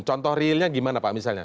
contoh realnya gimana pak misalnya